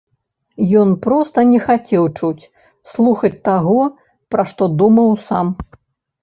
Ён проста не хацеў чуць, слухаць таго, пра што думаў сам.